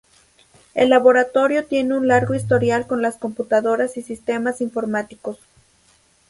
El laboratorio tiene un largo historial con las computadoras y sistemas informáticos.